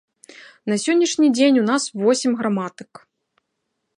На сённяшні дзень у нас восем граматык.